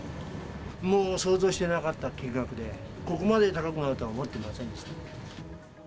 もう想像してなかった金額で、ここまで高くなるとは思ってませ